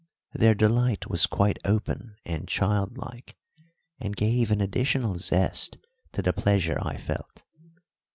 Their delight was quite open and childlike, and gave an additional zest to the pleasure I felt.